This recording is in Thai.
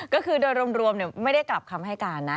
ก็คือโดยรวมไม่ได้กลับคำให้การนะ